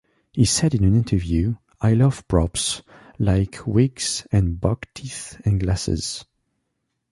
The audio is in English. He said in an interview, I love props, like wigs and buck-teeth and glasses.